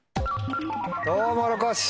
「トウモロコシ」。